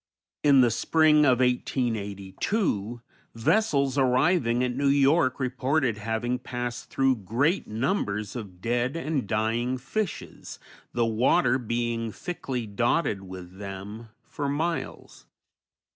In the spring of 1882 vessels arriving at New York reported having passed through great numbers of dead and dying fishes, the water being thickly dotted with them for miles.